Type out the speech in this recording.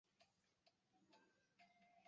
后来重建。